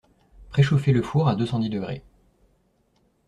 Préchauffer le four à deux cent dix degrés